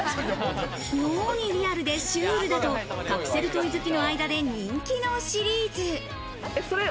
妙にリアルでシュールだとカプセルトイ好きの間で人気のシリーズ。